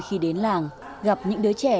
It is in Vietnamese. khi đến làng gặp những đứa trẻ